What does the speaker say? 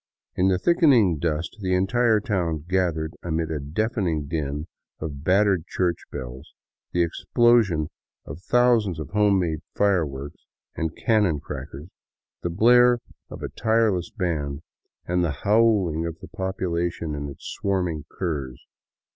In the thickening dusk the entire town gathered amid a deafening din of battered church bells, the explosion of thousands of home made fire works and " cannon crackers," the blare of a tireless band, and the howling of the populace and its swarming curs.